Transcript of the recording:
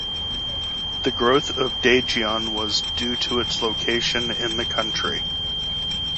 The growth of Daejeon was due to its location in the country.